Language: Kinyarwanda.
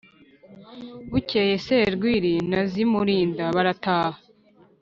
bukeye serwili na zimulinda barataha